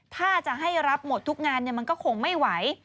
ถ้าจะให้รับหมดทุกงานมันก็คงไม่ไหว